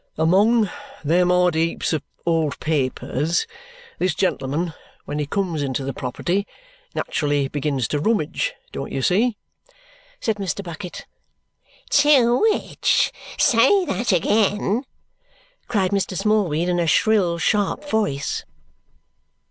"Among them odd heaps of old papers, this gentleman, when he comes into the property, naturally begins to rummage, don't you see?" said Mr. Bucket. "To which? Say that again," cried Mr. Smallweed in a shrill, sharp voice.